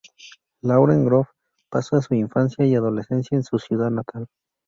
Lauren Groff pasa su infancia y adolescencia en su ciudad natal.